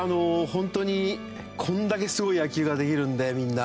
本当にこれだけすごい野球ができるんでみんな。